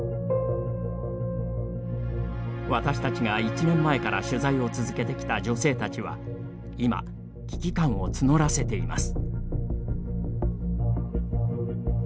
私たちが、１年前から取材を続けてきた女性たちは今、危機感を募らせています。